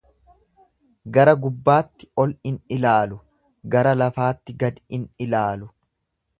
Gara gubbaatti ol in ilaalu, gara lafaatti gad in ilaalu.